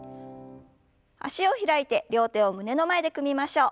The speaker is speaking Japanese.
脚を開いて両手を胸の前で組みましょう。